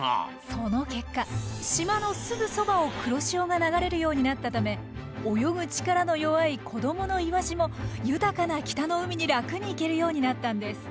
その結果島のすぐそばを黒潮が流れるようになったため泳ぐ力の弱い子どものイワシも豊かな北の海に楽に行けるようになったんです。